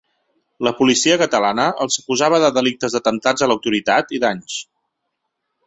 La policia catalana els acusava de delictes d’atemptats a l’autoritat i danys.